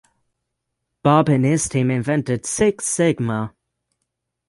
Bob and his team invented Six Sigma.